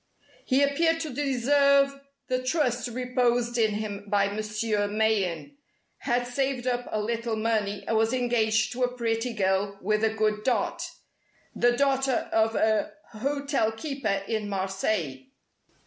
He appeared to deserve the trust reposed in him by Monsieur Mayen; had saved up a little money and was engaged to a pretty girl with a good dot, the daughter of a hotel keeper in Marseilles.